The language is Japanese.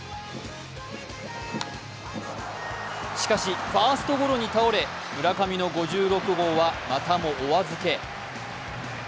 しかし、ファーストゴロに倒れ村上の５６号はまたもお預け。